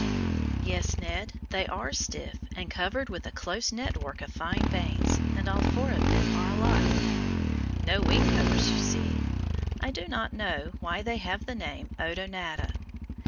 Yes, Ned, they are stiff and covered with a close network of fine veins, and all four of them are alike. No wing covers, you see. I do not know why they have the name Odonata.